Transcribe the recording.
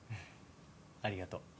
ありがと。